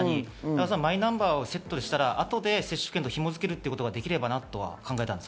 マイナンバーをセットにしたら後で接種券と紐づけることができたらなと考えました。